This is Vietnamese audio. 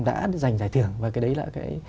đã giành giải thưởng và cái đấy là